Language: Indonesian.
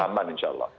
aman insya allah